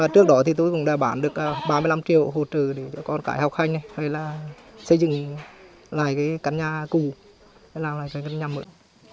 trước đó tôi cũng đã bán được ba mươi năm triệu hộ trừ cho con cải học hành xây dựng lại căn nhà cũ làm lại căn nhà mượn